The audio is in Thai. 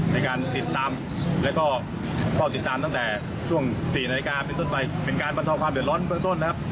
ในการติดตามและเพราะติดตามตั้งแต่ช่วง๔นาฬิกาเป็นการบรรทอความเดือนล้นเบื้องต้นนะครับ